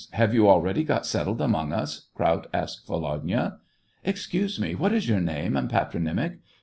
Have you already got settled among us ?" Kraut asked Volodya. ..." Excuse me, what is your name and patro nymic